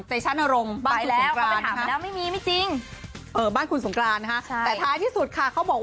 ทำแล้วไม่จริงบ้านขุดสูงกรานค่ะท้ายที่สุดค่ะเค้าหมด